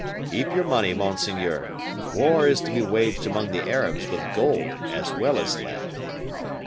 "Keep your money, monseigneur; war is to be waged among the Arabs with gold as well as lead."